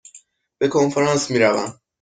به کنفرانس می روم.